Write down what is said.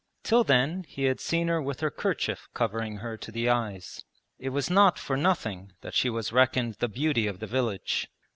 Till then he had seen her with her kerchief covering her to the eyes. It was not for nothing that she was reckoned the beauty of the village.